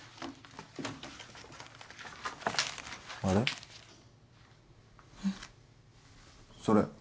あれ？